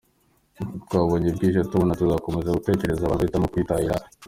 Ati “Twabonye bwije tubona tutakomeza gutegereza abantu bahitamo kwitahira.â€?